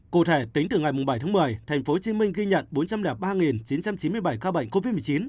cụ thể tính từ ngày bảy tháng một mươi tp hcm ghi nhận bốn trăm linh ba chín trăm chín mươi bảy ca bệnh covid một mươi chín